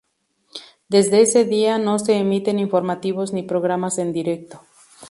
Desde ese día, no se emiten informativos ni programas en directo.